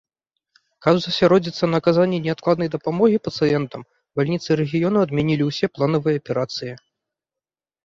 Каб засяродзіцца на аказанні неадкладнай дапамогі пацыентам, бальніцы рэгіёну адмянілі ўсе планавыя аперацыі.